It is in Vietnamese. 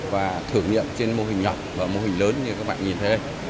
và thử nghiệm trên mô hình nhỏ và mô hình lớn như các bạn nhìn thấy đây